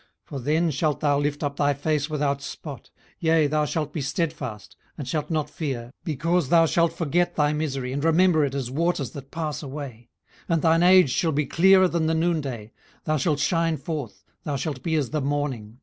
18:011:015 For then shalt thou lift up thy face without spot; yea, thou shalt be stedfast, and shalt not fear: 18:011:016 Because thou shalt forget thy misery, and remember it as waters that pass away: 18:011:017 And thine age shall be clearer than the noonday: thou shalt shine forth, thou shalt be as the morning.